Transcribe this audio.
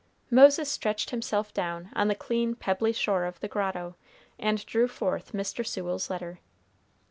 Moses stretched himself down on the clean pebbly shore of the grotto, and drew forth Mr. Sewell's letter.